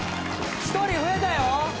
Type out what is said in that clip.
１人増えたよ！